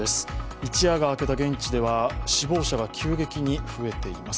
一夜が明けた現地では死亡者が急激に増えています。